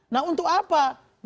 nah untuk apa dua ratus dua belas